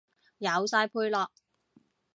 有晒配樂